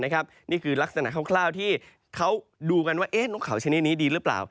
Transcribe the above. นี่คือลักษณะคร่าวที่เขาดูกันว่านกเขาชนิดนี้ดีหรือเปล่า